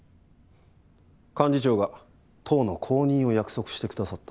幹事長が党の公認を約束してくださった。